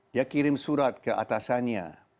dia kirim surat ke atasannya